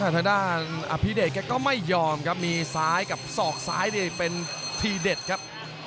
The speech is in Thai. ทางด้านอภิเดชแกก็ไม่ยอมครับมีซ้ายกับศอกซ้ายเป็นทีเด็ดครับ